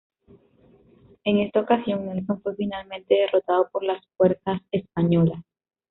En esta ocasión, Nelson fue finalmente derrotado por las fuerzas españolas.